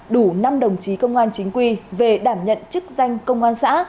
đủ năm đồng chí công an chính quy về đảm nhận chức danh công an xã